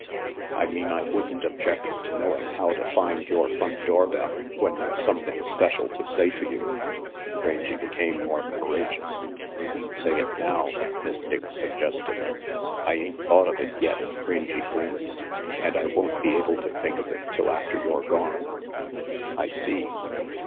"I mean I wouldn't object to knowing how to find your front doorbell when there's something special to say to you." Rangy became more courageous. "Say it now," Miss Dick suggested. "I ain't thought of it yet," Rangy grinned, "and I won't be able to think of it till after you're gone." "I see.